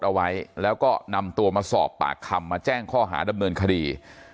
เอาไว้แล้วก็นำตัวมาสอบปากคำมาแจ้งข้อหาดำเนินคดี